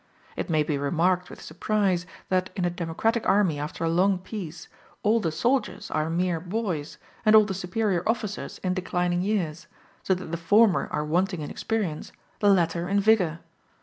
It may be remarked with surprise, that in a democratic army after a long peace all the soldiers are mere boys, and all the superior officers in declining years; so that the former are wanting in experience, the latter in vigor.